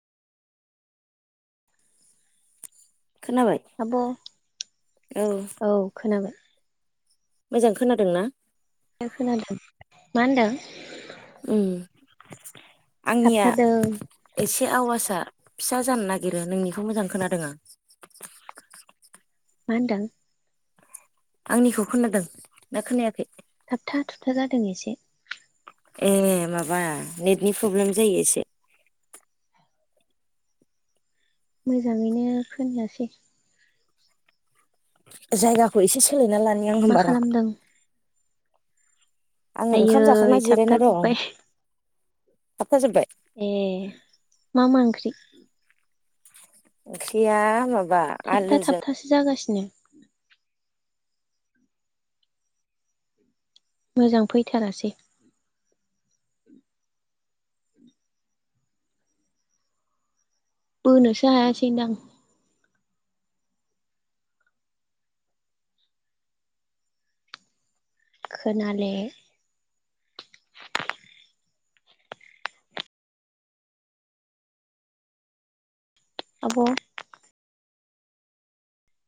खोनाबाय आब' औ खोनाबाय। मोजां खोनादोंना? खोनादों। मा होनदों? उम आंनिया थाबथादों एस एसे आवासा फिसा जानो नागिरो नोंनिखौ मोजां खोनादों आं। मा होनदों? आंनिखौ खोनादों ना खोनायाखै? थाबथा थुबथा जादों एसे। ए माबा नेटनि प्रब्लेम जायो एसे मोजाङैनो खोनायासै जायगाखौ एसे सोलायना ला मा खालामदों? आङो ओंखाम जाखांना आयै जिरायना दं। थाबथाजोब्बाय थाबथा जोबबाय? ए मा मा ओंख्रि? ओंख्रिया मा थाबथा थाबथासो जागासि नो मोजां फैथारासै बोनोसो हायासै नोंदां। खोनाले आब'